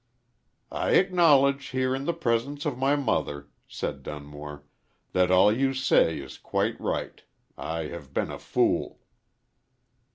"I acknowledge here in the presence of my mother," said Dunmore, "that all you say is quite right. I have been a fool."